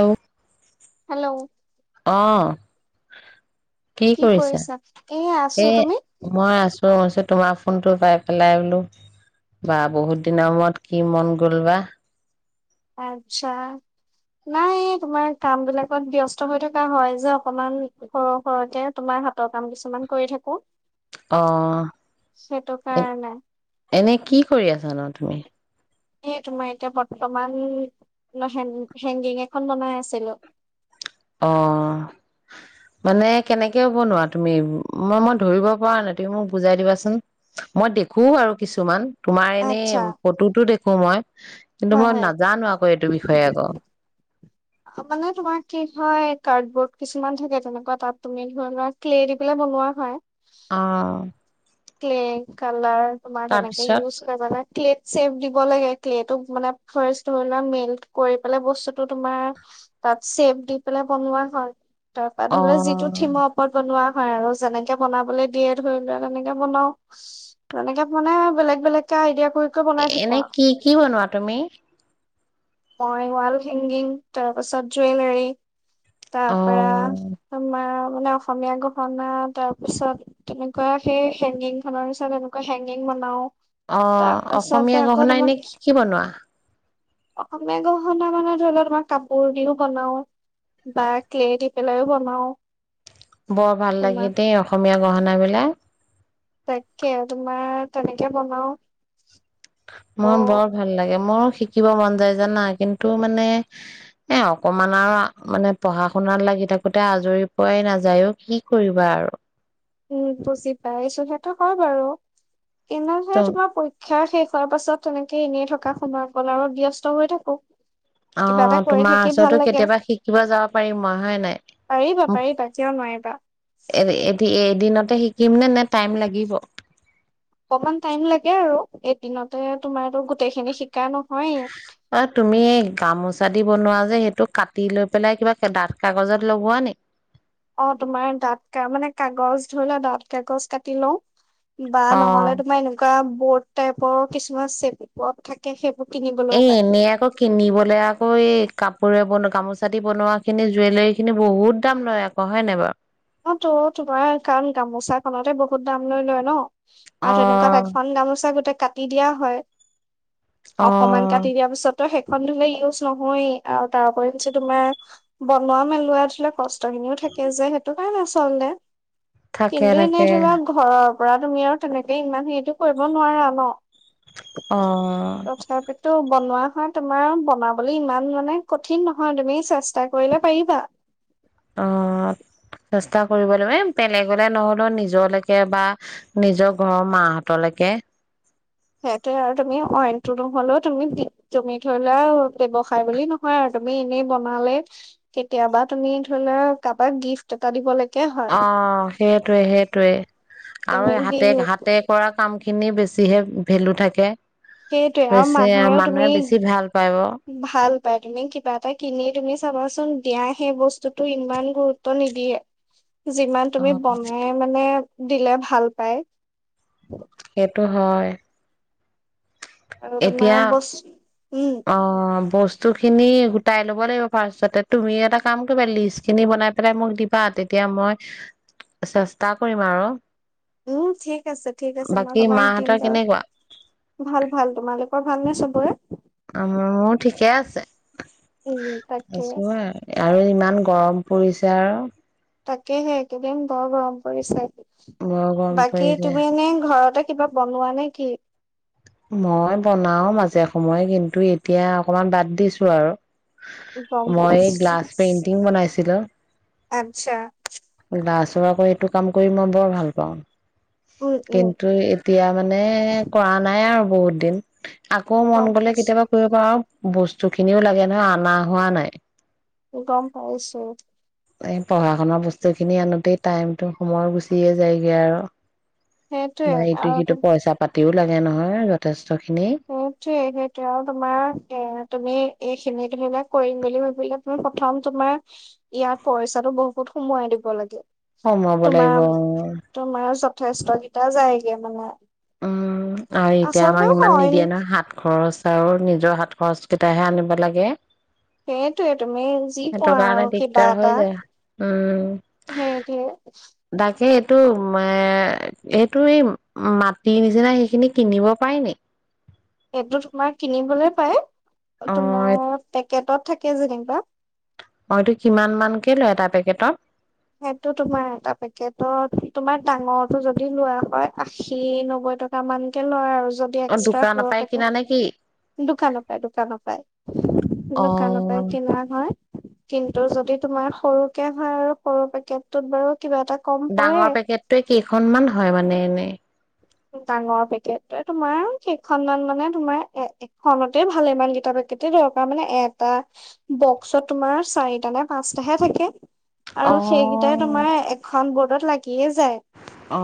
অ hello অহ কি কৰিছা? এ আছো এই তুমি? মই আছো আৰু তোমাৰ ফোনটো পাই পেলাই বুলোঁ, বা বহুত দিনৰ পিছত কি মন গ'ল বা? আচ্ছা নাই তোমাৰ কাম বিলাকত ব্যস্ত হৈ থকা হয় যে, অকমান সৰু সৰুকে তোমাৰ হাতৰ কাম কিছুমান কৰি থাকো। অ, সেইটো এ কাৰণে এনে কি কৰি আছানো তুমি? এই, তোমাৰ এতিয়া বৰ্তমান হেং, হেংগিং এখন বনাই আছিলো। অ মানে কেনেকে বনোৱা তুমি? মই মই ধৰিব পৰা নাই তুমি মোক বুজাই দিবাচোন। মই দেখো বাৰু কিছুমান। তোমাৰ এনে, আচ্ছা ফটোটো দেখো। সময়, কিন্তু, হয় মই হয়। নাজানো আকৌ এইটো বিষয়ে একো। মানে তোমাৰ কি হয়, কাৰ্ডবৰ্ড কিছুমান থাকে তেনেকুৱা, তাত তুমি ধৰিলোৱা ক্লে দি পেলাই বনোৱা হয়। অ, ক্লে, কালাৰ। তোমাৰ তেনেকে তাৰপিছত ইউচ কৰি পেলাই ক্লেত চেপ দিব লাগে, ক্লেতো মানে ফাৰ্ষ্ট ধৰি লোৱা মেল্ট কৰি পেলাই, বস্তুটো তোমাৰ তাত চেপ দি পেলাই বনোৱা হয়। তাৰ পা ধৰি লোৱা যিটো অ', থিমৰ ওপৰত বনোৱা। হয় আৰু যেনেকে বনাবলৈ দিয়ে ধৰি লোৱা তেনেকে, বনাও, তেনেকে মানে বেলেগ, বেলেগকে আইডিয়া, কৰি কৰি এ, বনাই থাকো এনে আৰু। কি কি বনোৱা তুমি? মই ৱাল হেংগিং, তাৰপিছত জুৱেলাৰী। তাৰ পৰা, অ', তোমাৰ মানে অসমীয়া গহনা, তাৰ পিছত তেনেকুৱা সেই হেংগিং খনৰ পিছত এনেকুৱা হেংগিং বনাও। অ, তাৰ পাছতে অসমীয়া আকৌ গহনা তোমাৰ এনে কি কি বনোৱা? অসমীয়া গহনা মানে ধৰি লওক তোমাৰ কাপোৰ দিও বনাও, বা ক্লে দি পেলাইও বনাও। বৰ ভাল তোমাৰ লাগে দেই অসমীয়া, গহনা বিলাক। তাকে, তোমাৰ তেনেকে বনাও। ত মোৰ বৰ ভাল লাগে, মোৰ শিকিব মন যায় জানা, কিন্তু মানে এ অকমান আৰু মানে উম, বুজি পাইছো সেইটো হয় বাৰু। এনেও ত হ'লে তোমাৰ পৰীক্ষা আছে। শেষ হোৱাৰ পাছত তেনেকে এনেই থকা সময়কন আৰু ব্যস্ত হৈ থাকোঁ। অ' তোমাৰ ওচৰতো কেতিয়াবা শিকিব যাব পাৰিম মই হয় নাই?? পাৰিবা মোক পাৰিবা কিয় নোৱাৰিবা এ এতি এ দিনতে শিকিম নে? নে টাইম লাগিব? অকমান টাইম লাগে আৰু এদিনতে তোমাৰটো গোটেই খিনি শিকি আৰু তুমি গামোচাত বনোৱা যে সেইটো কাটি লৈ পেলাই কিবা ডাঠ কাগজত লগোৱা নে? অ' তোমাৰ ডাঠ কা মানে কাগজ মানে ডাঠ কাগজ কাটি লওঁ। বা অ নহলে তোমাৰ এনেকুৱা, বহুত টাইপৰ কিছুমান চেপত থাকে সেইবোৰ কিনিবলৈও এ পায়। এনেই আকৌ, কিনিবলে আকৌ এই কাপোৰে বনো, গামোচাদি বনোৱা খিনি জুৱেলৰী খিনি বহুত দাম লয় আকৌ হয় নাই বাৰু? অ তো, তোমাৰ কাৰণ গামোচা খনতে বহুত দাম লৈ লয় ন। আৰু তেনেকুৱাত অ', এখন গামোচা গোটেই, কাটি দিয়া হয়। অকমান অ'। কাটি দিয়া পিছত, তো সেইখন ধৰা ইউজ নহয়ে আৰু তাৰ ওপৰৰ ইঞ্চি তোমাৰ বনোৱা মেলোৱা ধৰা কষ্ট কষ্ট খিনিও থাকে যে উপায় নাই চলে থাকে কিন্তু, এনেই থাকে ধৰক ঘৰত পৰা তুমি আৰু, তেনেকেই ইমান হেৰিটো কৰিব নোৱাৰা ন? তথাপিতো অ' বনোৱা হয়, তোমাৰ বনাবলৈ ইমান মানে কঠিন নহয়, তুমি চেষ্টা কৰিলে পাৰিবা। অ, চেষ্টা কৰিব লাগিব এ, বেলেগলে নহ'লেও নিজলৈকে বা নিজৰ ঘৰৰ মাহঁতলৈকে। সেইটোৱে আৰু তুমি অইনটো নহলেও তুমি, তুমি ধৰি লোৱা ব্যৱসায় বুলি নহয় আৰু তুমি এনেই বনালে কেতিয়াবা তুমি ধৰি লোৱা কাবাক গিফট এটা দিবলেকে, অ' সেইটোৱে, সেইটোৱে তুমি আৰু হাতে, সেইটোৱে হাতে কৰা কাম খিনি বেছিহে ভেলো থাকে। আৰু বেছি, মানুহেও তুমি মানুহে বেছি ভাল পাব। ভাল তুমি কিবা এটা কিনি তুমি চাবাচোন, দিয়া সেই বস্তুটো ইমান গুৰুত্ব নিদিয়ে। যিমান তুমি অ'। বনাই মানে দিলে ভাল পায়। সেইটো হয়। আৰু, তোমাৰ এতিয়া বস্তু উম অ বস্তুখিনি গোটাই ল'ব লাগিব, ফাৰ্ষ্টতে তুমি এটা কাম কৰিবা লিষ্ট খিনি বনাই পেলাই মোক দিবা তেতিয়া মই চেষ্টা কৰিম আৰু। উম ঠিক আছে ঠিক আছে মই বাকী তোমাইক দিম মাহঁতৰ দ কেনেকুৱা ভাল ভাল তোমালোকৰ ভালনে সবৰে? উ ঠিকে আছে। উম তাকে আছো আৰু, আৰু ইমান উম, গৰম পৰিছে আৰু তাকেহে এইকেইদিন বৰ গৰম পৰিছে। বৰ গৰম বাকী পৰিছে তুমি এনে ঘৰতে কিবা বনোৱা নেকি? মই বনাও মাজে সময় কিন্তু এতিয়া অকনমান বাদ দিছো আৰু। গম মই পাইছোঁ। গ্লাছ পেইন্টিং বনাইছিলোঁ। আচ্ছা। [unintelligible] এইটো কাম কৰি মই বৰ ভাল পাওঁ। উম, উম, কিন্তু এতিয়া মানে কৰা নাই আৰু বহুত দিন আকৌ মন গম গলে পাইছোঁ। কেতিয়াবা কৰিব পাৰোঁ। বস্তু খিনিও লাগে নহয় অনা হোৱা নাই। গম পাইছো এই পঢ়া শুনাৰ বস্তু খিনি আনোতেই টাইমটো সময় গুচিয়ে যায়গৈ আৰু। সেইটোৱে নাই ইটো আৰু সিটো পইচা পাত [unintelligible] লাগে নহয় যথেষ উ ঠিক সেইটোয়া আৰু তোমাৰ এ তুমি খিনি [unintelligible] কৰিম বুলি ভাবিলে তুমি প্ৰথম তোমাৰ ইয়াত পইছাটো বহুত সোমোৱাই দিব লাগে। কমাব লাগিব। তোমাৰ, তোমাৰ যথেষ্ট এটা যায়গে মানে। উম। আৰু এতিয়া আচলতে আমাক ইমান অইন নিদিয়ে নহয় হাত খৰচ আৰু নিজৰ হাত খৰচ কেইটাহে আনিব লাগে সেইটোয়ে তুমি যি সেইটো পোৱা কাৰণে আৰু কিবা দিগদাৰ হৈ এটা যায় উম। সেইটোয়ে তাকে এইটো এইটো এই মাটি নিচিনা সেইখিনি কিনিব পাৰি নি এইটো তোমাৰ কিনিবলৈ পাও। অ তোমাৰ পেকেটত থাকে যেনিবা অ‌, এইটো কিমান মানকে ল‌ই এটা পেকেটত? সেইটো তোমাৰ এটা পেকেটত তোমাৰ ডাঙৰটো যদি লোৱা হয় আশী নব্বৈ টকা মান কে লয় আৰু যদি অ এক্সট্ৰা দোকানৰ সৰু পৰাই পকেট, কিনা নে কি দোকানৰ পৰাই দোকানৰ পৰাই, অ দোকানৰ পৰাই কিনা হয়। কিন্তু যদি তোমাৰ সৰুকে হয় আৰু সৰু পেকেটটোত বাৰু কিবা এটা কম পৰে ডাঙৰ পেকেটটোৱে কেইখনমান হয় মানে এনেই? ডাঙৰ পেকেটটোৱে তোমাৰ কেইখনমান মানে তোমাৰ এখনতে ভালেমানকিটা পেকেটে দৰকাৰ মানে এটা বক্সত তোমাৰ চাৰিটা নে পাঁচটাহে থাকে। অ আৰু সেইকেইটাই তোমাৰ এখন ব লাগে [unintelligible] অ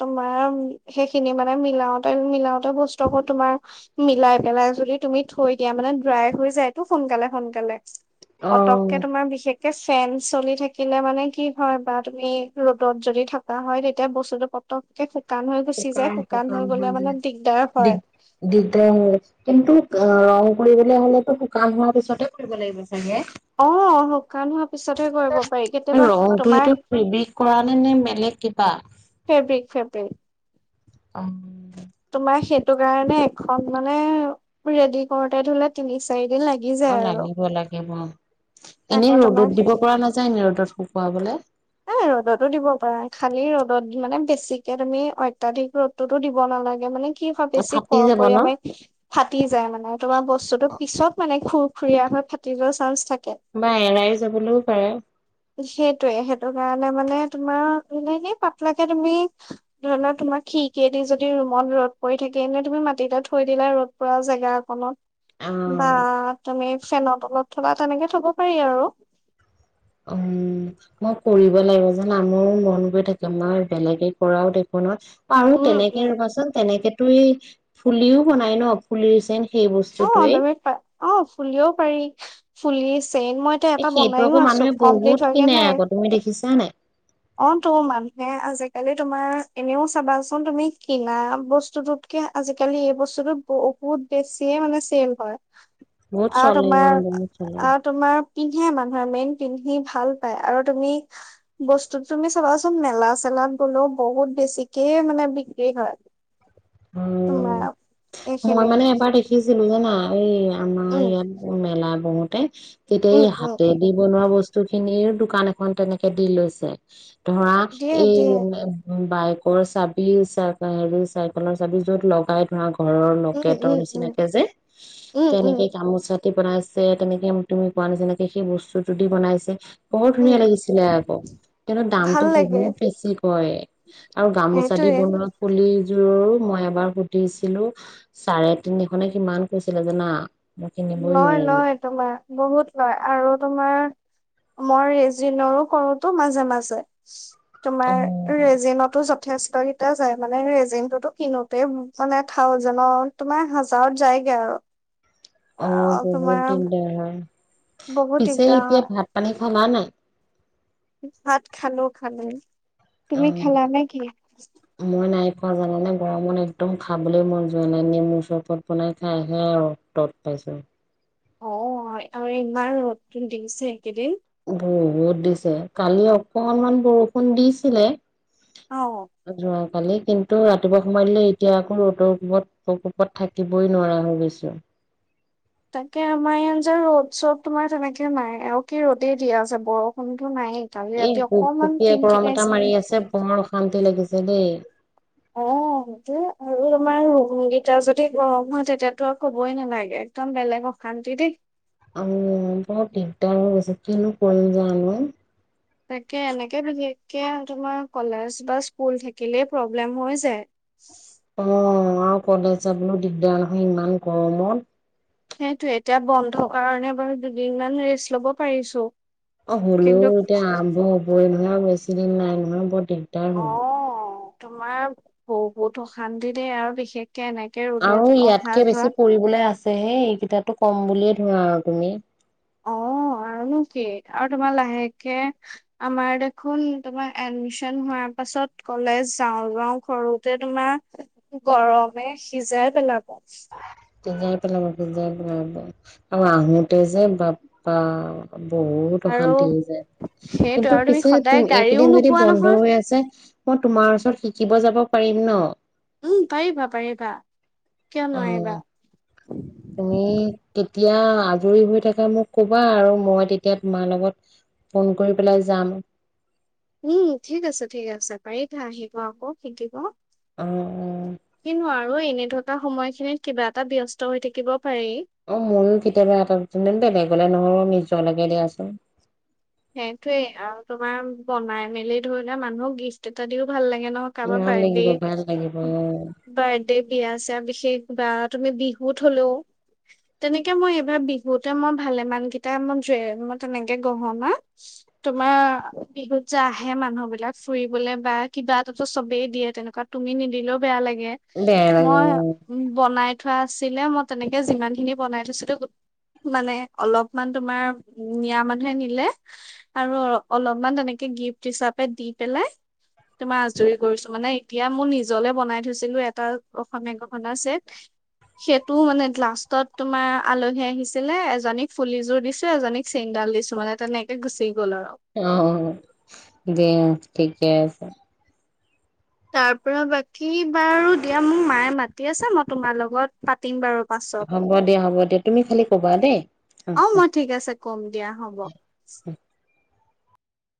তোমাৰ সেইখিনি মানে মিলাওতে মিলাওতে বস্তুবোৰ তোমাৰ মিলাই পেলাই যদি তুমি থৈ দিয়া, মানে ড্ৰাই হৈ যায়টো সোনকালে সোনকালে। অ পতককে তোমাৰ বিশেষ ফেন চলি থাকিলে মানে কি হয় বা তুমি, ৰ'দত যদি থকা হয় তেতিয়া বস্তু পটকে খ সকাম সকাম দিগদাৰ দি হয়। [unintelligible] দিগদাৰ হয়, কিন্ত অ ৰং উৰিলৈ হ'লেতো শুকান হোৱাৰ পিছতে কৰিব লাগিব অ শুকান হোৱাৰ পিছতহে কৰিব পাৰি কেতিয়াবা ৰংটো তোমাৰ এইটো ফেব্ৰিক কৰা নে নে বেলেগ কিবা? ফেব্ৰিক ফেব্ৰিক অ তোমাৰ সেই সেইটো কাৰণে এখন মানে ৰেডি কৰোতে ধৰিলে তিনি, চাৰি দিন লাগি অ', যায় আৰু। লাগিব, লাগিব। আকৌ এনেই তোমাৰ ৰ'দত দিব এ পৰা নাযায় নি ৰ'দত শুকুৱাবলে। ৰ'দতো দিব পাৰা খালি ৰ'দত মানে বেছিকে তুমি অত্যাধিক ৰ'দটোতো দিব নালাগে মানে কি হয়, বেছি ফাটি কৰ যাব ন কৰিয়া মাৰি ফাটি যায় মানে তোমাৰ বস্তুতটো পিছত মানে খুৰ খুুৰীয়া হৈ ফাটি যোৱাৰ চান্স থাকে। বা এৰাই যাবলৈও পাৰে সেইটোয়ে, সেইটো কাৰণে মানে তোমাৰ এনে এনেই পাতলাকে তুমি ধৰিলোৱা তোমাৰ খিৰিকিয়েদি যদি ৰুমত ৰ'দ পৰি থাকে এনেই তুমি মাটিটে থৈ দিলা ৰ'দ পৰা জেগা অ অকনত। বা তুমি ফেনৰ তলত থলে তেনেকে থ'ব পাৰি আৰু, উম! মই কৰিব লাগিব যানা মোৰো মন গৈ থাকে মই বেলেগে কৰাও দেখো নহয়। পাৰোঁ উম তেনেকে উম ৰুবাচোন তেনেকে ফুলিও বনাই ন, ফুলি চেইন অ পাই, অ ফুলিও পাৰি- ফুলিচ এ সেইটো আকৌ মানুহে বহুত হয়গে কিনে নাই আকৌ, তুমি দেখিছা নাই? অ', তো, মানুহে আজিকালি তোমাৰ এনেও চাবাচোন, তুমি কিনা বস্তুটোতকে আজিকালি এই বস্তুটো বহুত বেছিয়ে মানে চেল হয়। বহুত আৰু চলে অ তোমাৰ বহুত চলে আৰু তোমাৰ পিন্ধে মানুহে মেইন পিন্ধি ভাল পায় আৰু তুমি বস্ তুমি চাবাচোন মেলা চেলাত গ'লেও বহুত বেছিকে মানে বিক্ৰী হয়। উম তোমাৰ মই এইখিনি মানে এবাৰ দেখিছিলো জানা উম। আমাৰ উম ইয়াত মেলা কৰোঁতে। তেতিয়া উম এই উম হাতে দি বনোৱা বস্তু খিনিৰ দোকান এখন তেনেকে দি লৈছে ধৰা দিয়ে এই দিয়ে উ, উ। বাইকৰ চাবি চাই চা চাইকেলৰ চাবি য'ত লগাই ধৰা ঘৰৰ উম লকেটৰ উম উম নিচিনাকে যে উম উম তেনেকেই গামোচাত বনাইছে তেনেকে তুমি কোৱা নাই এনেকে সেই বস্তু যদি বনাইছে। বহুত উম ধুনীয়া লাগিছিলে আক কিন্তু ভাল দামটো লাগে বহুত বেছি কয়। আৰু গামোচা দি সেইটোয়ে বনোৱা ফুলি ৰো মই এবাৰ সুধিছিলো চাৰে তিনিখনে কিমান কৈছিলে জানা। মই কিনিবই লয় নোৱাৰিলো। লয় তোমাৰ বহুত লয় আৰু তোমাৰ মই ৰেয়িনৰো কৰোতো মাজে মাজে। তোমাৰ ৰেজিনতো যথেষ্টকেইটা যায় মানে ৰেজিমটোতো কিনোতে মানে থাউজেন তোমাৰ হাজাৰত যায়গে আৰু অ', আহ বহুত তোমাৰ দিগ দাৰ হয়। বহুত পিছে দিগদাৰ এতিয়া হয় ভাত পানী খালা নে নাই? ভাত খালো খালো অ তুমি খালা নে কি? মই নাই খোৱা জানা নে গৰমত একদম খাবলৈ মন যোৱা নাই নেমু চৰপত বনাই খাইহে আৰু তদ পাইছোঁ। অ', আৰু ইমান ৰ'দ দিছে একেইদিন। বহুত দিছে কালি অকনমান বৰষুণ দিছিলে। অ কালি কিন্তু ৰাতিপুৱা সময় দিলে এতিয়া আকৌ ৰ'দৰ কোবত প্ৰকোপত থাকিবই নোৱাৰা হৈ গৈছো। তাকে আমাৰ ইয়াত যে ৰ'দ চব তোমাৰ তেনেকে নাই আৰু কি ৰ'দেই দিয়া আছে বৰষুণতো নায়েই এই গুপ গুপিয় গৰম এটা মাৰি আছে বৰ অশান্তি লাগিছে যদি অ', আৰু তোমাৰ গীতা যদি গৰম হয় তেতিয়াতো আৰু ক'বই নালাগে একদম বেলেগ অশান্তি দেই। আৰু বৰ দিকদাৰো হৈ গৈছে কিনো কৰিবা জানো তাকে এনেকে বিশেষকে তোমাৰ কলেজ বা স্কুল থাকিলে প্ৰব্লেম হৈ যায় অ'। আৰু কলেজ যাবলৈও দিগদাৰ হয় ইমান গৰমত। সেইটোয়ে, এতিয়া বন্ধ কাৰণে বাৰু দুদিন মান ৰেষ্ট ল'ব পাৰিছোঁ। অ হলেও এতিয়া আৰম্ভ হবই ন এনেও বেছি দিন নাই নহয় বত দিকদাৰ অ হল। তোমাৰ বহুত অশান্তি দেই আৰু বিশেষ আৰু ইয়াতকে বেছি পৰিবলৈ আছ হে এইকেইটাটো কম বুলিয়ে ধৰা আৰু তুমি। অ', আৰুনো কি আৰু তোমাৰ লাহেকে আমাৰ দেখোন তোমাৰ এডমিচন হোৱাৰ পাছত কলেজ যাওঁ যাওঁ কৰোতে তোমাৰ গৰমে সিজাই পেলাব। সিজাই পেলাব, সিজাই পেলাব বাৰু আৰু আহোঁতে যে বাপ্পা বহুত আৰু অশান্তি হৈ যায়, সেইটো কিন্তু আৰু তুমি পিছে সদায় গাড়ীও এইকেইদিন যদি নোপোৱা বন্ধ নহয় হৈ আছে মই তোমাৰ ওচৰত শিকিব যাব পাৰিম ন? উম পাৰিবা -পাৰিবা। কিয় উম নোৱাৰিবা তুমি তেতিয়া আজৰি হৈ থাকা মোক কবা আৰু মই তেতিয়া তোমাৰ লগত ফোন কৰি পেলাই যাম। উম, ঠিক আছে, ঠিক আছে, পাৰিবা আহিবা আকৌ শিকিব। অ অ কিনো আৰু এনে থকা সময়খিনিত কিবা এটা ব্যস্ত হৈ থাকিব পাৰি অ ' মোৰো কেতিয়াবা এটা বেলেগলৈ নহলেও [unintelligible] চলকে দিয়াচোন। সেইটোয়েই আৰু তোমাৰ বনাই মেলি ধৰিলোৱা মানুহক গিফ্ট এটা দিওঁ ভাল লাগ গে ন? কাৰোবাৰ ভাল বাৰ্থডে, লাগিব ভাল লাগিব অ বাৰ্থডে বিয়া-চিয়া বিশেষ কিবা তুমি বিহুত হ'লেও, তেনেকে মই এইবাৰ বিহুতে মই ভালে মান কেইটা মই জ, মই তেনেকে গহনা তোমাৰ বিহুত যে আহে মানুহ বিলাক, ফুৰিবলে বা কিবা এটাতো চবেই দিয়ে তেনেকুৱা তুমি নিদিলেও বেয়া লাগে। গে, বেয়া লাগে মই অ বনাই উঠোৱা আছিলে মই তেনেকে যিমান খিনি বনাই থৈছিলো মানে অলপমান তোমাৰ নিয়া মানুহে নিলে। আৰু অলপমান তেনেকে গিফ্ট হিচাপে দি পেলাই তোমাৰ আজৰি কৰিছো মানে এতিয়া মোৰ নিজলে বনাই থৈছিলো এটা অসমীয়া গহনাৰ চেট সেইটো মানে লাষ্টত তোমাৰ আলহী আহিছিলে এজনীক ফুলিযোৰ দিছো এজনীক চেইনডাল দিছো মানে তেনেকে গুচি গ'ল আৰু। অ, দে ঠিকে আছে। তাৰ পৰা বাকী বাৰু দিয়া মোক মায়ে মাতি আছে মই তোমাৰ লগত পাতিম বাৰু। পাছত হ'ব দিয়া, হ'ব দিয়া, তুমি খালি কবা দেই অহ অ অহ। মই ঠিক আছে কম দিয়া হ'ব